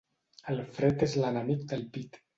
El fred és l'enemic del pit.